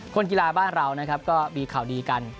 คนกีฬาบ้านเรานะครับก็มีข่าวดีกัน